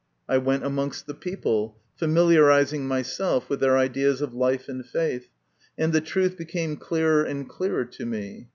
I went amongst the people, familiarising myself with their ideas of life and faith, and the truth became clearer and clearer to me.